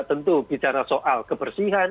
tentu bicara soal kebersihan